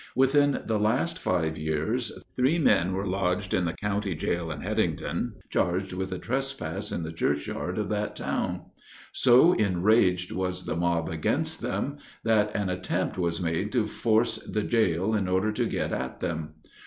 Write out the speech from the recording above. Within the last five years three men were lodged in the county jail at Haddington, charged with a trespass in the churchyard of that town. So enraged was the mob against them, that an attempt was made to force the jail in order to get at them.